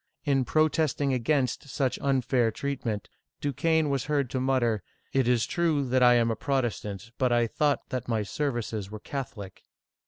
In pro testing against such unfair treatment, Du quesne was heard to mutter, "It is true that I am a Protestant, but I thought that my services were Catholic!'